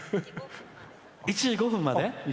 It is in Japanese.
１時５分まで。